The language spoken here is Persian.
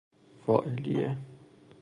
فاعلیه